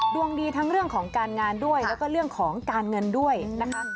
ดวงดีทั้งเรื่องของการงานด้วยแล้วก็เรื่องของการเงินด้วยนะคะ